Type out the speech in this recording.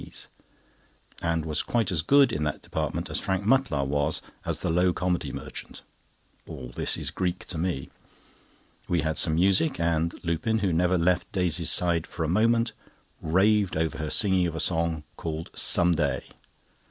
C.'s," and was quite as good in that department as Harry Mutlar was as the low comedy merchant. All this is Greek to me. We had some music, and Lupin, who never left Daisy's side for a moment, raved over her singing of a song, called "Some Day."